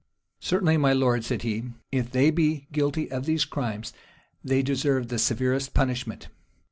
"Certainly, my lord," said he, "if they be guilty of these crimes, they deserve the severest punishment."